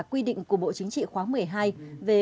quy định của bộ chính trị khóa một mươi hai về